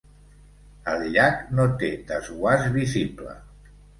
El llac no té desguàs visible.